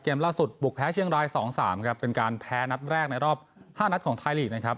เกมล่าสุดปลุกแพ้เชียงรายสองสามนะครับเป็นการแพ้นัดแรกในรอบห้านัดของไทยลีกนะครับ